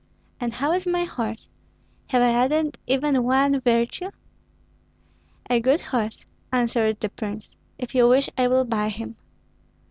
"And how is my horse? Have I added even one virtue?" "A good horse!" answered the prince. "If you wish, I will buy him."